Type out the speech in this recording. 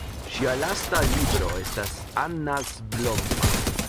Ŝia lasta libro estas "Annas blomma".